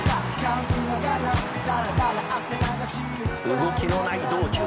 「動きのない道中終始